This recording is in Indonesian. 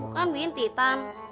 bukan wind titan